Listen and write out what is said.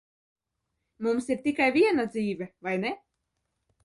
Mums ir tikai viena dzīve, vai ne?